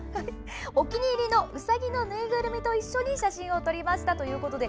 お気に入りのウサギのぬいぐるみと一緒に写真を撮りました。